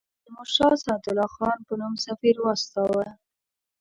تیمورشاه سعدالله خان په نوم سفیر واستاوه.